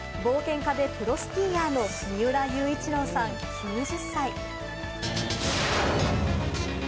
冒険家でプロスキーヤーの三浦雄一郎さん、９０歳。